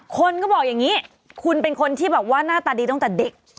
คนก็บอกอย่างนี้คุณเป็นคนที่แบบว่าหน้าตาดีตั้งแต่เด็ก